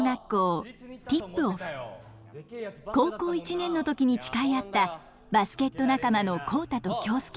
高校１年の時に誓い合ったバスケット仲間の浩太と京介。